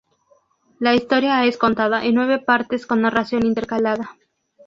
La historia es contada en nueve partes con narración intercalada.